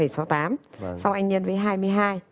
xong anh nhân với hai mươi hai